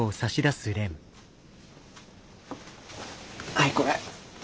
はいこれ。